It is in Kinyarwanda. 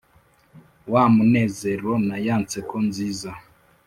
Wa munezero na ya nseko nziza